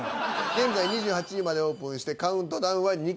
現在２８位までオープンしてカウントダウンは２回。